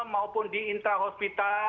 maupun di intrahospital